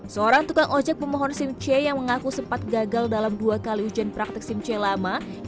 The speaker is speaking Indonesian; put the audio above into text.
seorang tukang ojek pemohon sim c yang mengaku sempat gagal dalam dua kali ujian praktik sim c lama